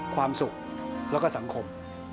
ความสุขแล้วก็สังคม